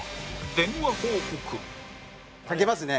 電話報告かけますね。